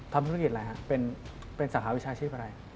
ทำธุรกิจอะไรฮะเป็นสาขาวิชาชีพอะไร